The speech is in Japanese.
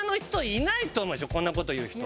こんな事言う人。